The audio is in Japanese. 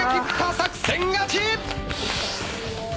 作戦勝ち！